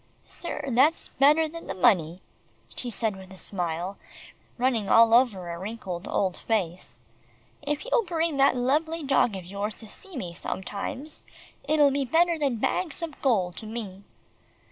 "Sir, that's better than the money," she said with a smile running all over her wrinkled old face. "If you'll bring that lovely dog of yours to see me sometimes, it'll be better than bags of gold to me."